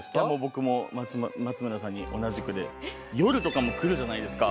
僕も松村さんに同じくで夜とかも来るじゃないですか。